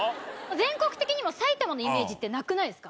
全国的にも埼玉のイメージってなくないですか？